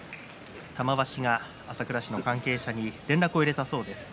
玉鷲が朝倉市の関係者に連絡を入れたそうです。